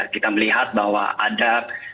kita melihat bahwa ada